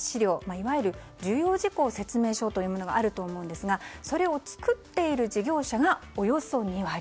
いわゆる重要事項説明書というものがあると思うんですがそれを作っている事業者がおよそ２割。